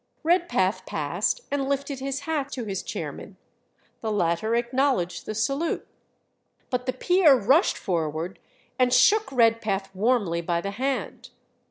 Redpath passed and lifted his hat to his chairman; the latter acknowledged the salute. But the peer rushed forward and shook Redpath warmly by the hand.